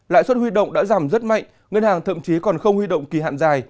lãi suất huy động đã giảm rất mạnh ngân hàng thậm chí còn không huy động kỳ hạn dài